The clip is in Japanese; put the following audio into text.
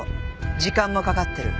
時間もかかってる。